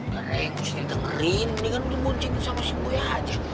karena ya gue sendiri dengerin dia kan beli muncik sama si gue aja